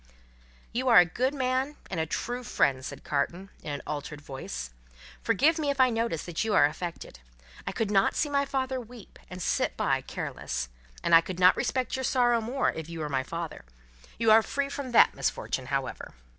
"You are a good man and a true friend," said Carton, in an altered voice. "Forgive me if I notice that you are affected. I could not see my father weep, and sit by, careless. And I could not respect your sorrow more, if you were my father. You are free from that misfortune, however."